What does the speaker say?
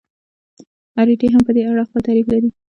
اریټي هم په دې اړه خپل تعریف لري.